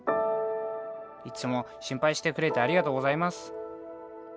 「いつも心配してくれてありがとうございます」。